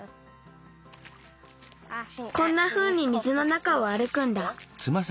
こんなふうに水の中をあるくんだ。